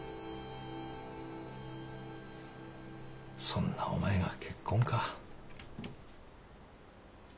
そんなお前が結婚か。